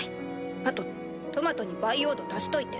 あとトマトに培養土足しといて。